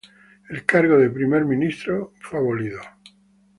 El cargo de Primer ministro fue abolido.